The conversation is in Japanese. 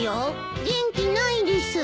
元気ないです。